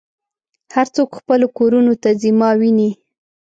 هر څوک خپلو کورونو ته ځي ما وینې.